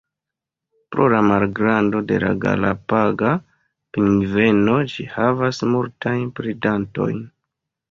Pro la malgrando de la Galapaga pingveno, ĝi havas multajn predantojn.